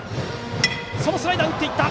そのスライダーを打った！